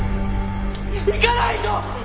行かないと！